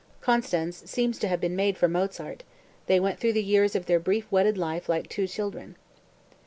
Constanze seems to have been made for Mozart; they went through the years of their brief wedded life like two children.)